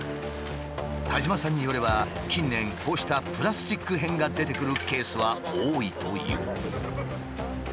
田島さんによれば近年こうしたプラスチック片が出てくるケースは多いという。